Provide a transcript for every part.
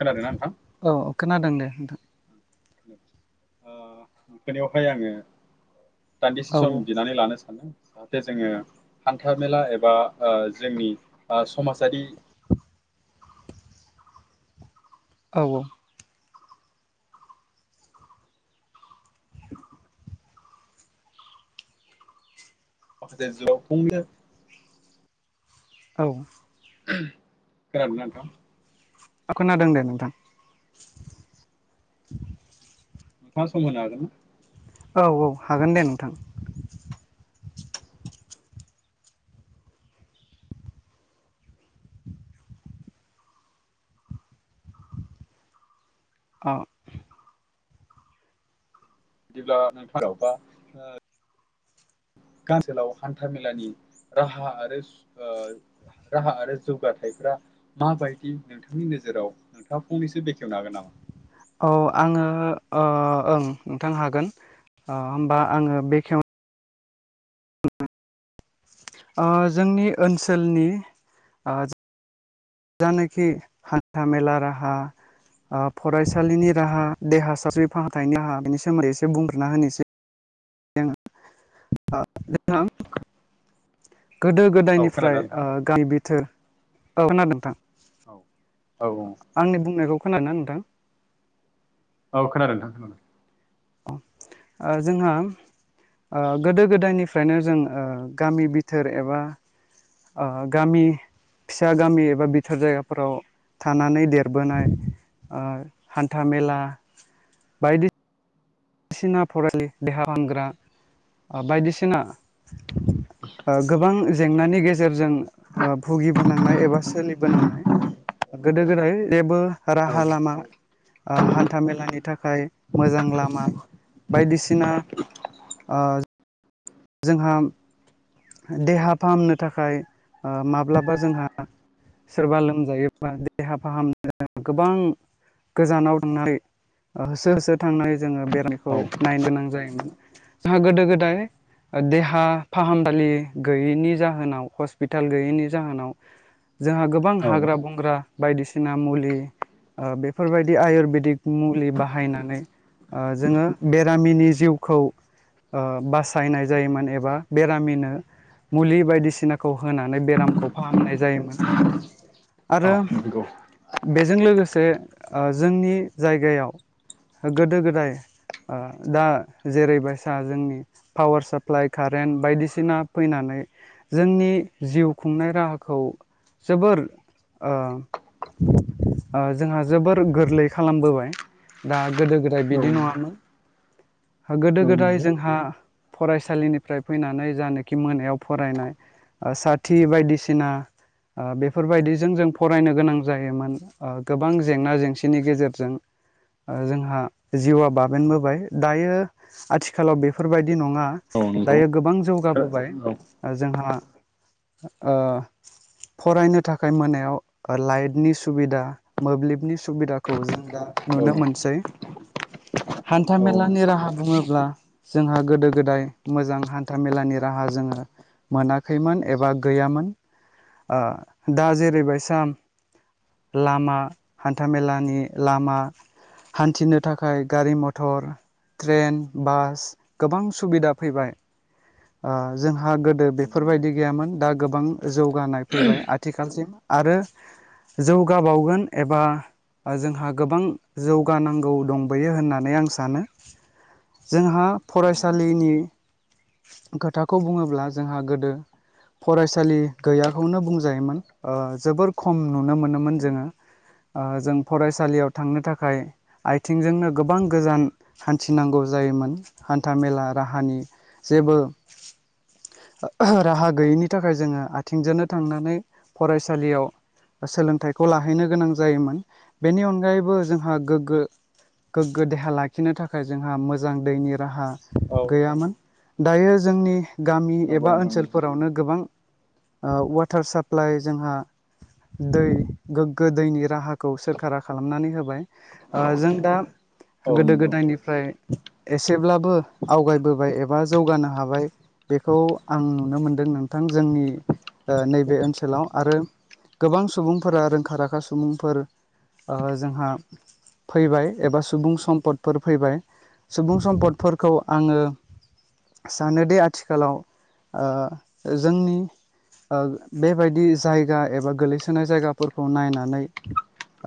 खोनादोंना नोंथां? औ खोनादों दे नोंथां। ओ नोंथांनियावहाय आङो दान्दिसे औ सम बिनानै लानो सानदों। जे जोङो हान्था मेला एबा ओ जोंनि ओ समाजारि औ औ। [unintelligible] औ। खोनादों ना नोंथां? ओ खोनादों दे नोंथां। थाङा सम होनो हागोन? औ औ हागोन दे नोंथां। ओ। बिदिब्ला [unintelligible] ओ सोलाव हान्थाामेलानि राहा आरो ओ राहा आरो जौगाथायफ्रा माबायदि नोंथांनि नोजोराव नोंथाङा फंनैसो बेखेवनो हागोन नामा? अ आङो ओ ओं नोंथां हागोन ओ होमबा आङो बेखेव ओ जोंनि ओनसोलनि ओ जानाखि हान्था मेला राहा ओ फरायसालिनि राहा देहा सावस्रि फाहामथायनि राहा बेनि सोमोन्दै एसे बुंग्रोना होनोसै। [unintelligible] गोदो औ गोदायनिफ्राय खोनादों नोंथां ओ गामि बिथोर औक्षखोनादों नोंथां? औ औ औ। आंनि बुंनायखौ खोनादों ना नोंथां? औ खोनादों नोंथां खोनादों। ओ जोंहा। ओ गोदो गोदायनिफ्रायनो जों ओ गामि बिथोर एबा ओ गामि फिसा गामि एबा बिथोर जायगाफोराव थानानै देरबोनाय ओ हान्थामेला बायदि सिना फरायलि देहा फाहामग्रा बायदिसिना। ओ गोबां जेंनानि गेजेरजों। ओ भुगिबोनांनाय एबा सोलिबोनांनाय। गोदो गोदाय जेबो राहा लामा ओ हान्थाामेलानि थाखाय मोजां लामा बायदिसिना ओ जोंहा देहा फाहामनो थाखाय ओ माब्लाबा जोंहा सोरबा लोमजायोब्ला देहा फाहामनो गोबां गोजानाव थांनानै ओ होसो होसो थांनानै जोङो बेराम -खौ औ नायनो गोनां जायोमोन जोंहा गोदो गोदाय ओ देहा फाहाम सालि गैयैनि जाहोनाव हस्पिटाल गैयैनि जाहोनाव जोंहा गोब बां औ हाग्रा बंग्रा बायदिसिना मुलि ओ बेफोरबायदि आयुरवेदिक मुलि बाहायनानै ओ जोङो बेरामिनि जिउखौ ओ बासायनाय जायोमोन एबा बे रामिनो मुलि बायदिसिनाखौ होनानै बेरामखौ फाहामनाय जायोमोन। आरो नोंगौ। [unintelligible] बेजों लोगोसे ओ जोंनि जायगायाव गोदो गोदाय ओ दा जेरैबायसा जोंनि पावार साप्लाइ कारेन्ट बायदिसिना फैनानै जोंनि जिउ खुंनाय राहाखौ जोबोर ओ ओ जोंहा जोबोर गोरलै खालामबोबाय। दा गोदो गोदाय नंगौ बिदि औ नङामोन गोदो गोदाय नंगौ जोंहा फरायसालिनिफ्राय फैनानै जानोखि मोनायाव फरायनाय साथि बायदिसिना ओ बेफोरबायदिजों जों फरायनो गोनां जायोमोन। ओ गोबां जेंना जेंसिनि गेजेरजों ओ जोंहा जिउआ बाबेनबोबाय दायो आथिखालाव बेफोरबायदि नङा औ नंगौ दायो गोबां जौगाबोबाय। औ जोंहा ओ फरायनो थाखाय मोनायाव लाइटनि सुबिदा मोब्लिबनि सुब सुबिदाखौ जों दा औ नुनो मोनसै। औ हान्थामेलानि राहा बुङोब्ला जोंहा गोदो गोदाय मोजां हान्था मेलानि राहा जोङो मोनाखैमोन एबा गैयामोन। ओ दा जेरैबाय साम लामा हान्थामेलानि लामा हान्थिनो थाखाय गारि मथर ट्रेन बास गोबां सुबिदा फैबाय ओ जोंहा गोदो नंगौ बेफोरबायदि गैयामोन दा गोबां जौगानाय फैबाय आथिखालसिम आरो जौगाबावगोन एबा ओ जोंहा गोबां जौगानांगौ दंबोयो होननानै आं सानो। जोंहा नंगौ नोंथां फरायसालिनि खोथाखौ बुङोब्ला जोंहा गोदो फरायसालि गैयाखौनो बुंजायोमोन ओ जोबोर खम नुनो मोनोमोन नंगौ जोङो। ओ जों फरायसालियाव थांनो थाखाय आइथिंजोंनो गोबां गोजान हान्थिनांगौ जायोमोन हान्थामेला राहानि जेबो आह राहा गैयैनि थाखाय जोङो आथिंजोंनो थांनानै फरायसालियाव सोलोंथाइखौ लाहैनो गोनां जायोमोन बेनि अनगायैबो जोंहा गोग्गो गोग्गो देहा लाखिनो थाखाय जोंहा मोजां दैनि राहा औ गैयामोन दायो जोंनि गामि नंगौ एबा नोंथां नंगौ ओनसोलफोरावनो गोबां ओ वाटार साप्लाइ जोंहा दै गोग्गो दैनि राहाखौ सोरखारा खालामनानै होबाय। ओ जों दा औ गोदो नंगौ गोदायनिफ फ्राय एसेब्लाबो आवगायबोबाय एब बा जौगानो हाबाय बेखौ आं नुनो मोनदों नोंथां जोंनि ओ नैबे ओनसोलाव आरो गोबां सुबुंफोरा रोंखा राखा सुबुंफोर ओ जोंहा फैबाय एबा सुबुं सम्पदफोर फैबाय सुबुं सम्पदफोरखौ आंङो सानोदि आथिखालाव ओ जोंनि ओ बेबायदि जायगा एबा गोलैसोनाय जायगाफोरखौ नायनानै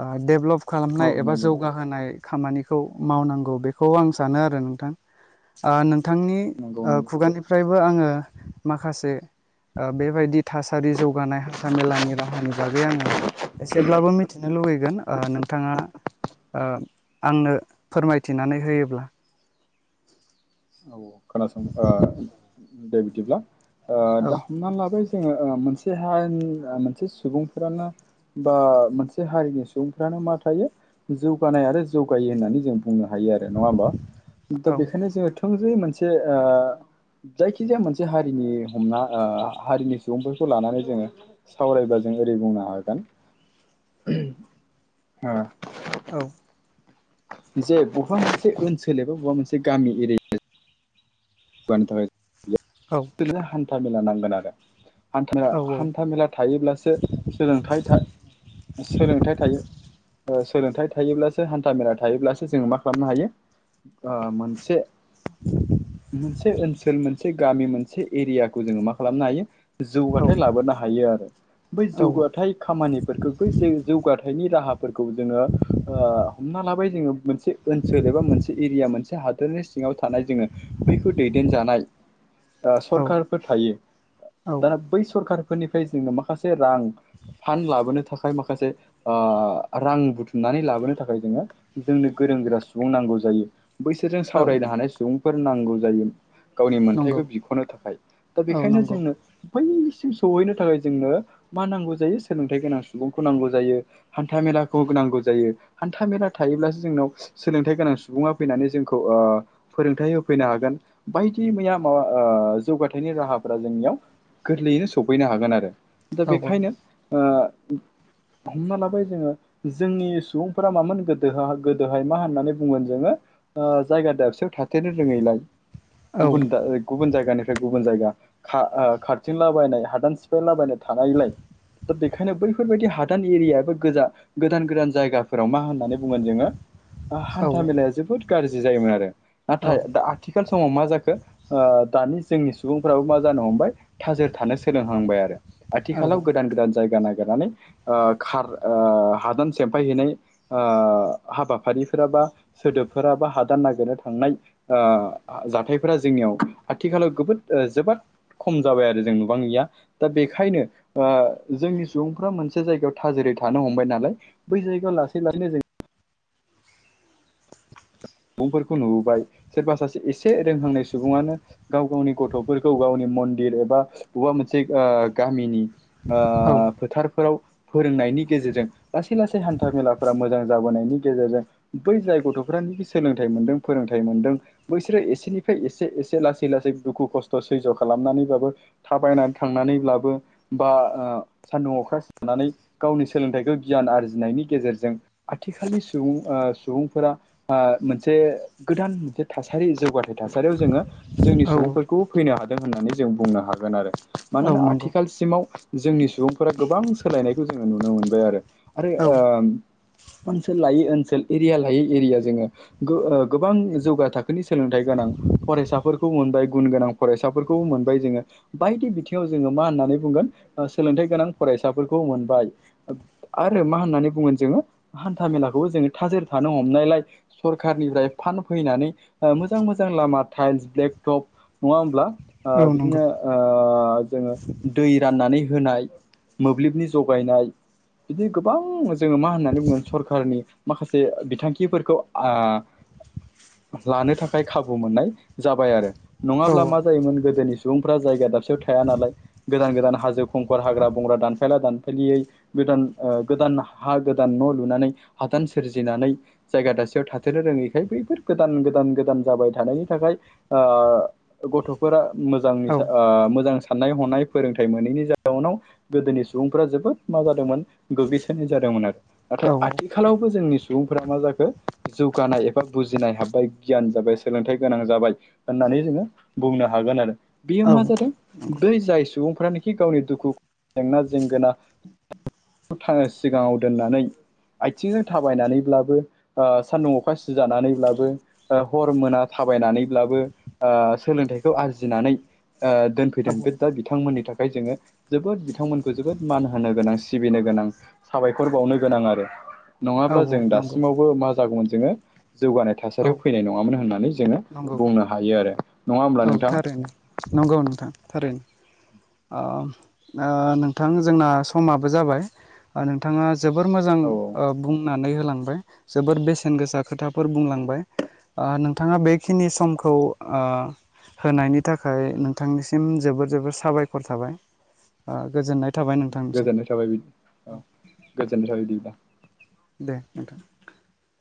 ओ डेभलप औ खालामनाय एबा नंगौ जौगा होनाय खामानिखौ मावनांगौ बेखौ आं सानो आरो नोंथां ओ नों थांनि नंगौ ओ नंगौ खुगानिफ्रायबो आंङो माखासे ओ बेबायदि थासारि जौगानाय हान्थाामेलानि राहानि बागै आंङो एसेब्लाबो मिथिनो लुुबैगोन ओ नोंथाङा ओ आंनो फोरमायथिनानै होयोब्ला। औ खोनासं ओ दे बिदिब्ला ओ औ दा हमनानै लाबाय ओ ओ मोनसे हानि उम मोनसे सुबुंफोरानो बा मोनसे हारिनि सुबुंफ्रानो मा थायो जौगानाय आरो जौगायो होननानै जों बुंनो हायो आरो नङा होमबा दा औ बेखायनो जोङो थोंजोे मोनसे ओ जायखिजाया मोनसे हारिनि हमना ओ हारिनि सुबुंफोरखौ लानानै जोडों सावरायबा जों ओरै बुंनो हागोन अम ओ औ जे बबेबा मोनसे ओनसोल एबा बबेबा मोनसे गामि एरिया बानि थाखाय गैया औ बिदिनो हान्थामेला नांगोन आरो हान्था- औ हान्थामेलानि थायोब्लासो सोलोंथाइ था सोलोंथाइ थायो ओ सोलोंथाइ थायोब्लासो हान्था मेला थायोब्लासो जोङो मा खालामनो हायो ओ मोनसे [inaudible] मोनसे ओनसोल मोनसे गामि मोनसे एरियाखौ जोङो मा खालामनो हायो औ जौगाथाय लाबोनो हायो आरो बै जौगाथायाइ खामानिफोर बै जौ जौगाथायाइनि राहाफोरखौ जोंङो ओ हमना लाबाय जोंङो मोनसे ओनसोल एबा मोनसे एरिया मोनसे हादरनि सिङाव थानाय जोंङो बैखौ दैदेन जानाय ओ औ सरखारफोर थायो दाना औ बै सरखार फोरनिफ्राय जोंनो माखासे रां फान् लाबोनो थाखाय माखासे ओ रां बुथुमनानै लाबोनो थाखाय जोङो जोंनो गोरों गोरा सुबुं नांगौ जायो। बैसोरजों औ सावरायनो हानाय सुबुंफोर नांगौ जायो। गावनि नंगौ मोनथायखौ बिख'नो थाखाय दा औ बेखायनो नंगौ जोंनो बैसिम सहैनो थाखाय जोंनो मा नांगौ जायो सोलोंथाइ गोनां सुबुंखौ नांगौ जायो। हान्था मेलाखौ नांगौ जायो हान्था मेला थायोब्लासो जोंनाव सोलोंथाइ गोनां सुबुडां फैनानै जोंखौ ओ फोरोंथाइ हो फैनो हागोन बायदि मैया माबा ओ जौगाथायाइनि राहाफोरा जोंनियाव गोरलैयैनो सफैनो हागोन आरो दा औ औ बेखायनो ओ हमना लाबाय जोङो जोंनि सुबुंफोरा मामोन गोदो गोदोहाय मा होननानै बुंगोन जोङो ओ जायगा दाबसेयाव थाथेरनो रोङैलाय औ गुबुन दा गुबुन जायगानिफ्राय गुबुन जायगा खा ओ खाारथिंलाबायनाय हादान सिफायलाबायनाय थानायलाय दा बेखायनो बैफोरबायदि हादान एरियाबो गोजा गोदान गोदान जायगाफोराव मा होननानै बुगोन जोङो ओ औ हान्था मेलाया जोबोद गाज्रि जायोमोन आरो। नाथाय दा आथिखाल समाव मा जाखो ओ दानि जोंनि सुबुंफ्राबो मा जानो हमबाय थाजिर थानो सोलोंहांबाय आरो। औ आथिखालाव औ गोदान गोदान जायगा नागिरनानै ओ खार ओ हादान सेमफायहैनाय ओ हाबाफारिफोरा बा सोदोबफोरा बा हादान नागिरनो थांनाय ओ जाथायफोरा जोंनियाव आथिखालाव गोबोद जोबोद खम जाबाय आरो जों नुबांडैं या। दा बेखायनो ओ जोंनि सुबुंफ्रा मोनसे जायगायाव थाजिरै थानो हमबाय नालाय बै जायगा लासै लांसैनो जों सुबुंफोरखौ नुबोबाय सोरबा सासे एसे रोंहांनाय सुबुङानो गाव गावनि गथफोरखौ गावनि मन्दिर एबा अबेबा मोनसे ओ गामिनि ओ औ। फोथारफोराव फोरोंनायनि गेजेरजों लासै लासै हान्था मेलाफोरा मोजां जाबोनायनि गेजेरजों बै जाय गथफ्रा सोलोंथाइ मोन्दों फोरोंथाइ मोन्दों बैसोरो एसेनिफ्राय एसे एसे लासै लासै दुखु खस्थ सैज खालामनानैबाबो थाबायना थांनानैब्लाबो बा ओ सान्दुं अखा सिनानै गावनि सोलोंथाइखौ गियान आरजिनायनि गेजेरजों आथिखालनि सुबुं ओ सुबुंफोरा ओ मोनसे गोदान मोनसे थासारि जौगाथाइ थासारियाव जोङो जोंनि औ सुबुंफोर खौ फैनो हादों होननानै जों बुंनो हागोन आरो औ मानोना नंगौ आथिखाल सिमाव जोंनि सुबुंफोरा गोबां सोलायनायखौ जोङो नुनो मोनबाय आरो। आरो औ ओ ओनसोल लायै ओनसोल एरिया लायै एरिया जोङो गो ओ गोबां जौगा थाखोनि सोलोंथाइ गोनां फरायसाफोरखौ मोनबाय गुन गोनां फरायसाफोरखौ मोनबाय जोङो। बायदि बिथिङाव जोङो मा होननानै बुंगोन ओ सोलोंथाइ गोनां फरायसाफोरखौ मोनबाय। आरो मा होननानै बुगोन जोङो हान्था मेलाखौबो जोङो थाजिर थानो हमनायलाय सरखारनिफ्राय फान फैनानै ओ मोजां मोजां लामा टाइलस ब्लेक टप नङा होमब्ला। ओ औ नंगौ बिदिनो ओ जोङो दै राननानै होनाय मोब्लिबनि जगायनाय बिदि गोबां जोङो मा होननानै बुङो सरखारनि माखासे बिथांखिफोरखौ ओ लानो थाखाय खाबु मोननाय जाबाय आरो औ नङाब्ला मा जायोमोन गोदोनि सुबुंफ्रा जायगा दाबसेयाव थाया नालाय गोदान गोदान हाजो खंखर हाग्रा बंग्रा दानफायला दानफायलियै गोदान ओ गोदान हा गोदान न लुनानै हादान सोरजिनानै जायगा दासि थाथेरनो रोङैखाय बैफोर गोदान गोदान गोदान जाबाय थानायनि थाखाय ओ गथफोरा मोजां ओ मोजां साननाय हनाय फोरोंथाइ मोनैनि जाउनाव गोदोनि सुबुंफोरा जोबोद मा जादोंमोन गोग्लैसोनाय जादोंमोन आरो। नाथाय औ नंगौ औ आथिखालावबो जोंनि सुबुंफोरा मा जाखो जौगानाय एबा बुजिनाय हाबबाय गियान जाबाय सोलोंथाइ गोनां जाबाय होननानै जोङो बुंनो हागोन आरो बेयो मा जादों बै जाय सुबुंफ्रानो थि गावनि दुखु जेंना जेंगोना सिगाङाव दोननानै आथिंजों थाबायनानैब्लाबो ओ सान्दुं अखा सिजानानैब्लाबो ओ हर मोना थाबायनानैब्लाबो ओ सोलोंथाइखौ आरजिनानै ओ दोनफैदों। बिथांमोननि थाखाय जोङो जोबोद बिथांमोनखौ जोबोद मान होनो गोनां सिबिनो गोनां। साबायखर बावनो गोनां आरो। नङाब्ला जों नंगौ दासिमावबो मा जागौमोन जोङो जौगानाय औ थासारियाव फैनाय नङामोन होननानै जोङो नंगौ बुंनो हायो आरो। नङा होमब्ला औ नोंथां? थारैनो नंगौ नोंथां थारैनो। ओ ओ नोंथां जोंना समाबो जाबाय नोंथाङा जोबोर मोजां औ ओ बुंनानै होलांबाय जोबोर बेसेन गोसा खोथाफोर बुंलांबाय ओ नोंथाङा बे खिनि समखौ ओ होनायनि थाखाय नोंथांनिसिम जोबोर जोबोर साबायखर थाबाय ओ गोजोननाय थाबाय नोंथांनिसिम गोजोननाय थाबाय बिदि औ गोजोननाय थाबाय बिदिबा। दे नोंथां।